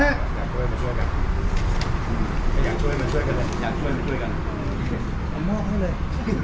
อยากช่วยมาช่วยกันอยากช่วยมาช่วยกันเอามอกให้เลย